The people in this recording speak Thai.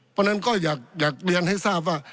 เพราะฉะนั้นก็อยากเรียนให้ทราบว่า